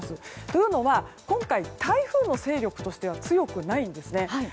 というのは今回、台風の勢力としては強くないんですね。